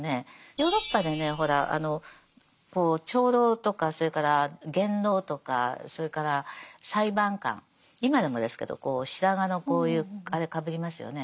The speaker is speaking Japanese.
ヨーロッパでねほらあの長老とかそれから元老とかそれから裁判官今でもですけどこう白髪のこういうあれかぶりますよね。